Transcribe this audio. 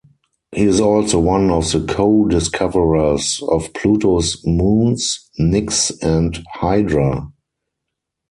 He is also one of the co-discoverers of Pluto's moons, Nix and Hydra.